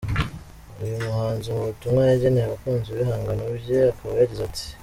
Uyu muhanzi mu butumwa yageneye abakunzi b’ibihangano bye akaba yagize ati:.